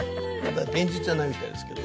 現実じゃないみたいですけど。